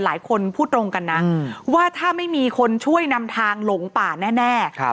หลายคนพูดตรงกันนะว่าถ้าไม่มีคนช่วยนำทางหลงป่าแน่